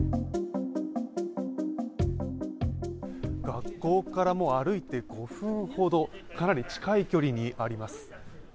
学校から歩いて５分ほど、かなり近い距離にあります。